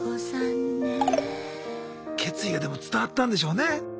決意がでも伝わったんでしょうね。